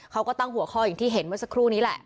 เขาก็ตั้งหัวข้ออย่างที่เห็นเมื่อสักครู่นี้แหละ